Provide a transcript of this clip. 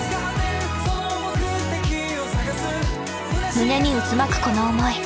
胸に渦巻くこの思い。